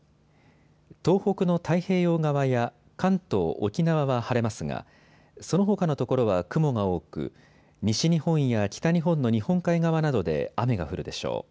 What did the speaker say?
東北の太平洋側や関東、沖縄は晴れますがそのほかの所は雲が多く、西日本や北日本の日本海側などで雨が降るでしょう。